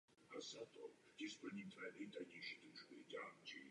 Pracoval v dělnických profesích na různých místech.